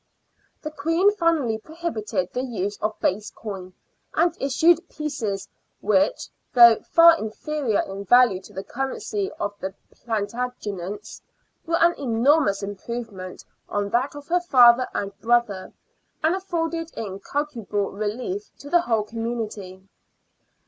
The Queen finally prohibited the use of base coin, and issued pieces which, though far inferior in value to the currency of the Plantagenets, were an enor mous improvement on that of her father and brother, and afforded incalculable relief to the whole community.